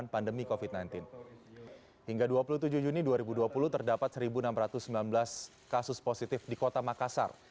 dua puluh tujuh juni dua ribu dua puluh terdapat seribu enam ratus sembilan belas kasus positif di kota makassar